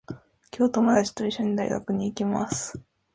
今日、ともだちといっしょに、大学に行きます。